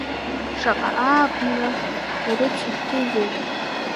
Шаҟа ааԥынра урыцышәҭызоуп.